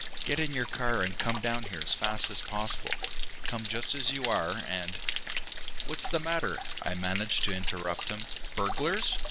"Get in your car and come down here as fast as possible. Come just as you are, and ""What's the matter?" I managed to interrupt him. "Burglars?"